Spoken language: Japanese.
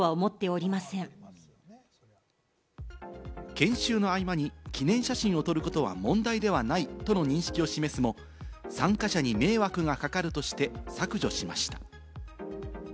研修の合間に記念写真を撮ることは問題ではないとの認識を示すも、参加者に迷惑がかかるとして削除しました。